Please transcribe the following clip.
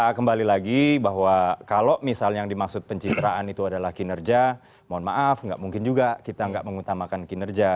ya kembali lagi bahwa kalau misalnya yang dimaksud pencitraan itu adalah kinerja mohon maaf nggak mungkin juga kita nggak mengutamakan kinerja